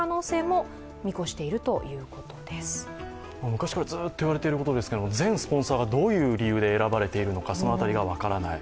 昔からずっと言われていることですけど、全スポンサーがどういう理由で選ばれているのか分からない。